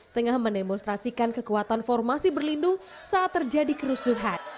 tengah mendemonstrasikan kekuatan formasi berlindung saat terjadi kerusuhan